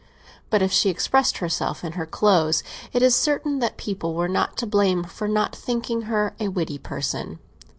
But if she expressed herself in her clothes it is certain that people were not to blame for not thinking her a witty person.